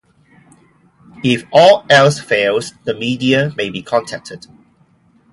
If all else fails, the media may be contacted.